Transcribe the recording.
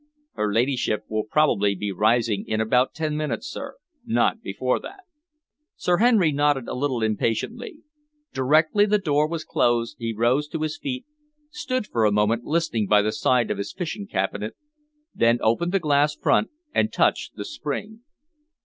"Her ladyship will probably be rising in about ten minutes, sir not before that." Sir Henry nodded a little impatiently. Directly the door was closed he rose to his feet, stood for a moment listening by the side of his fishing cabinet, then opened the glass front and touched the spring.